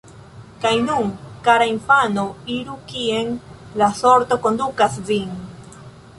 Kaj nun, kara infano, iru kien la sorto kondukas vin.